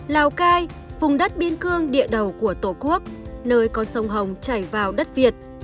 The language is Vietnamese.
lào cai vùng đất biên cương địa đầu của tổ quốc nơi con sông hồng chảy vào đất việt